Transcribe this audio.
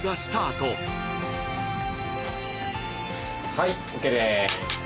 ・はいＯＫです